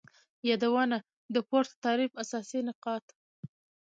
یادونه : د پورته تعریف اساسی نقاط